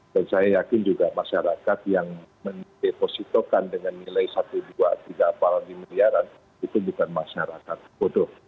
dan saya yakin juga masyarakat yang mendepositokan dengan nilai satu dua tiga apalagi miliaran itu bukan masyarakat bodoh